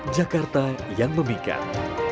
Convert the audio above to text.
jakarta yang memikat